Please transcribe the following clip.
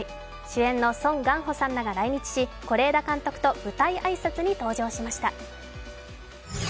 主演のソン・ガンホさんらが来日し是枝監督と舞台挨拶に登場しました。